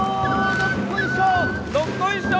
どっこいしょ！